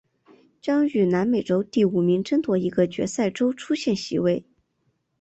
将与南美洲第五名争夺一个决赛周出线席位。